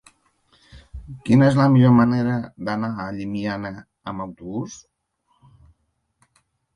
Quina és la millor manera d'anar a Llimiana amb autobús?